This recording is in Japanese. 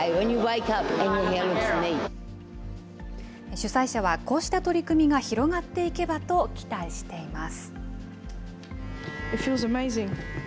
主催者はこうした取り組みが広がっていけばと期待しています。